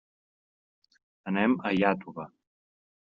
Anem a Iàtova.